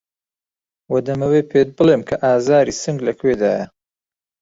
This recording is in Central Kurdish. وە دەمەوێ پێت بڵێم کە ئازاری سنگ لە کوێدایه